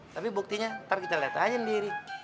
tapi buktinya ntar kita lihat aja sendiri